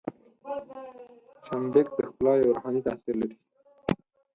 چمبک د ښکلا یو روحاني تاثیر لري.